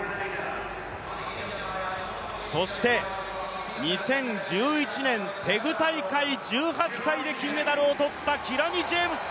そして２０１１年テグ大会１８歳で金メダルをとったキラニ・ジェームス。